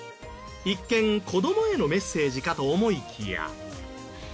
一見子供へのメッセージかと思いきや。